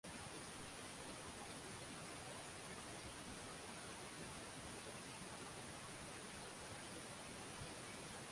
bidhaa inazoagizwa kutoka nje